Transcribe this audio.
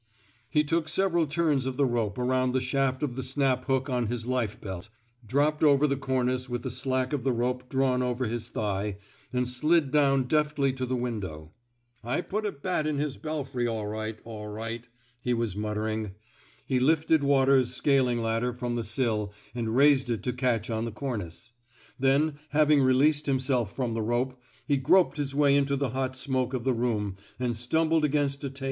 He took several turns of the rope around the shaft of the snap hook on his life bdt, dropped over the cornice with the slack of the rope drawn over his thigh, and slid down deftly to the window. I put a bat in his belfry all right, all right," he was mutter ing. He lifted Waters 's scaling ladder from the sill and raised it to catch on the cornice. Then, having released himself from the rope, he groped his way into the hot smoke of the room and stumbled against a table.